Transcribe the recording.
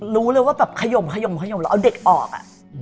รู้เลยว่าแบบขยมขยมแล้วเอาเด็กออก